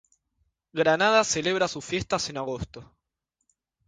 Granada celebra sus fiestas en agosto.